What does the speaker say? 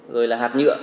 rồi là hạt nhựa